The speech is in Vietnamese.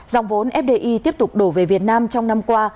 dòng vốn fdi tiếp tục đổ về việt nam trong năm qua